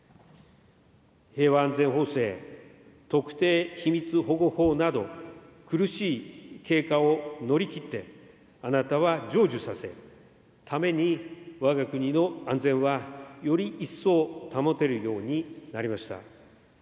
平和安全法制、特定秘密保護法など、苦しい経過を乗り切って、あなたは成就させ、ために、わが国の安全はより一層保てるようになりました。